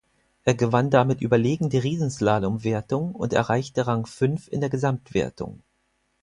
Er gewann damit überlegen die Riesenslalomwertung und erreichte Rang fünf in der Gesamtwertung.